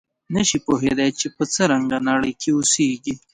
نه شي پوهېدای چې په څه رنګه نړۍ کې اوسېږي.